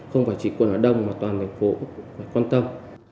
không phải chỉ quận hà đông mà toàn thành phố phải quan tâm